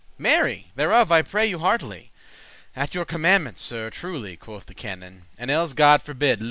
Mary! thereof I pray you heartily." "At your commandement, Sir, truely," Quoth the canon, "and elles God forbid."